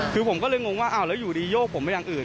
คือผมก็เลยงงว่าอ้าวแล้วอยู่ดีโยกผมไปอย่างอื่น